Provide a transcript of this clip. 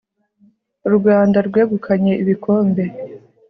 u rwanda rwegukanye ibikombe